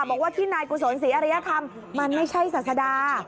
บอกว่าที่นายกุศลศรีอริยธรรมมันไม่ใช่ศาสดา